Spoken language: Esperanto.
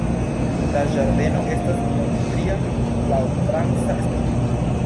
La ĝardeno estas geometria laŭ franca stilo.